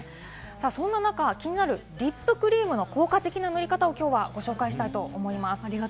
そんな中、気になるリップクリームの効果的な塗り方をきょうはご紹介したいと思います。